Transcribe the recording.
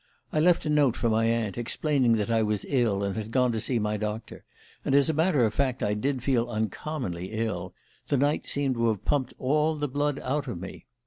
I left a note for my aunt, explaining that I was ill and had gone to see my doctor; and as a matter of fact I did feel uncommonly ill the night seemed to have pumped all the blood out of me.